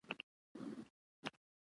باید د ذره بین او نقد په سترګه وکتل شي